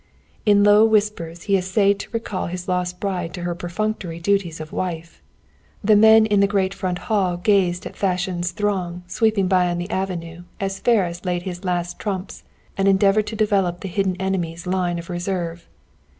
In low whispers he essayed to recall his lost bride to her perfunctory duties of wife. The men in the great front hall gazed at Fashion's throng sweeping by on the avenue as Ferris led his last trumps and endeavored to develop the hidden enemy's line of reserve.